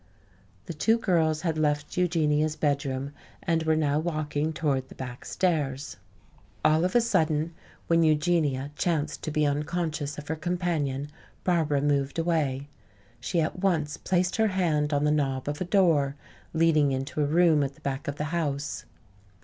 The two girls had left Eugenia's bedroom and were now walking toward the back stairs. All of a sudden, when Eugenia chanced to be unconscious of her companion, Barbara moved away. She at once placed her hand on the knob of a door leading into a room at the back of the house.